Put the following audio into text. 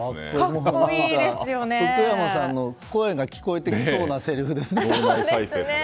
福山さんの声が聞こえてきそうなせりふですね。